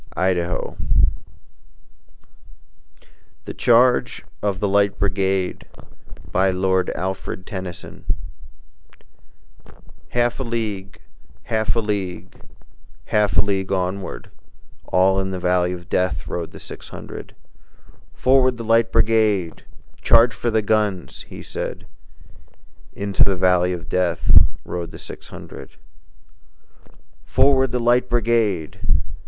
Alfred, Lord Tennyson Charge of the Light Brigade HALF a league, half a league, Half a league onward, All in the valley of Death Rode the six hundred. "Forward, the Light Brigade! Charge for the guns!" he said: Into the valley of Death Rode the six hundred. "Forward, the Light Brigade!"